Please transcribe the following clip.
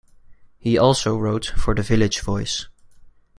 He also wrote for The Village Voice.